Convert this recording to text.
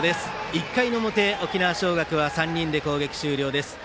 １回の表、沖縄尚学は３人で攻撃終了です。